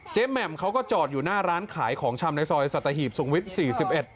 แหม่มเขาก็จอดอยู่หน้าร้านขายของชำในซอยสัตหีบสุงวิทย์สี่สิบเอ็ด